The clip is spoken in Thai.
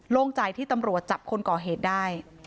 โล่งใจที่ตำรวจจับคนก่อเหตุได้